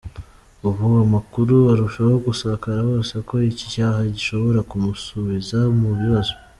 Ubu amakuru ararushaho gusakara hose ko iki cyaha gishobora kumusubiza mu bibazo.